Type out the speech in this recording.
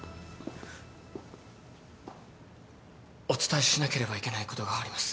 お伝えしなければいけないことがあります。